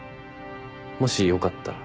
もしよかったら。